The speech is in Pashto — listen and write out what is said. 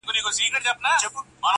خونه له شنو لوګیو ډکه ډېوه نه بلیږي!